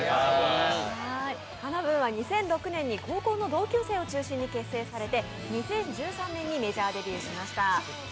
ＫＡＮＡ−ＢＯＯＮは２００６年に高校の同級生を中心に結成されて２０１３年にメジャーデビューしました。